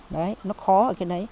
đấy nó khó ở cái đấy